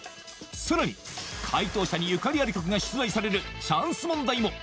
さらに解答者にゆかりある曲が出題されるチャンス問題も！